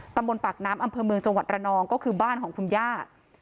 ตำบลปากน้ำอำเภอเมืองจังหวัดระนองก็คือบ้านของคุณย่า